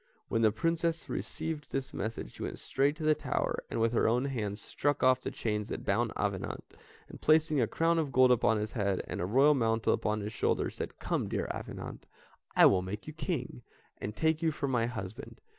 When the Princess received this message, she went straight to the tower, and, with her own hands, struck off the chains that bound Avenant, and placing a crown of gold upon his head, and a royal mantle upon his shoulders, said: "Come, dear Avenant, I will make you King, and take you for my husband."